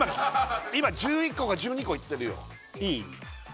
今１１個か１２個いってるよいい？